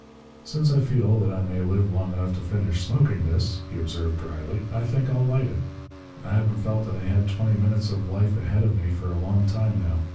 "Since I feel that I may live long enough to finish smoking this," he observed dryly, "I think I'll light it. I haven't felt that I had twenty minutes of life ahead of me for a long time, now.